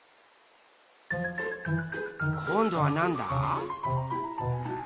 こんどはなんだ？